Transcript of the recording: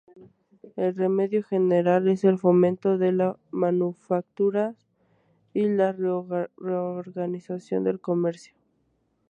El remedio general es el fomento de las manufacturas y la reorganización del comercio.